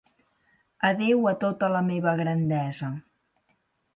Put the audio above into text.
Adéu a tota la meva grandesa